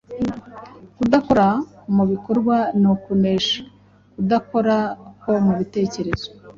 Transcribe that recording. kudakora mu bikorwa ni ukunesha kudakora ko mu bitekerezo.